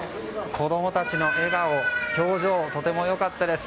子供たちの笑顔、表情がとても良かったです。